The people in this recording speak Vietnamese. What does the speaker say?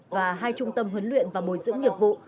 và hai trung tâm huấn luyện và bồi dưỡng nghiệp vụ